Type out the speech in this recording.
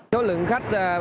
số lượng khách